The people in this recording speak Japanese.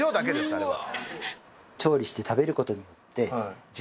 あれは。